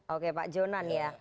oke pak jonan ya